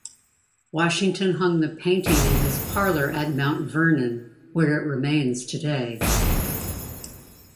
Washington hung the painting in his parlor at Mount Vernon, where it remains today.